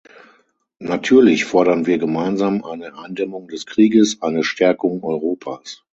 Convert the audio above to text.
Natürlich fordern wir gemeinsam eine Eindämmung des Krieges, eine Stärkung Europas.